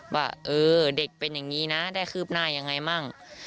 ว่าเออเด็กเป็นอย่างนี้นะได้คืบหน้ายังไงมั่ง